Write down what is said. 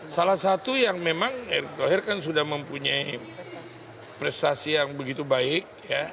salah satu yang memang erick thohir kan sudah mempunyai prestasi yang begitu baik